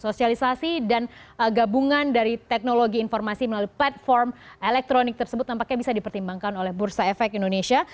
sosialisasi dan gabungan dari teknologi informasi melalui platform elektronik tersebut nampaknya bisa dipertimbangkan oleh bursa efek indonesia